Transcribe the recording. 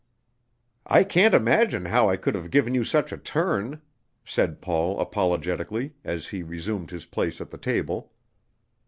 "I can't imagine how I could have given you such a turn," said Paul apologetically, as he resumed his place at the table.